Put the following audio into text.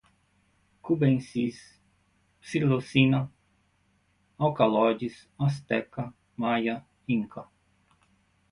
cubensis, psilocina, alcalóides, asteca, maia, inca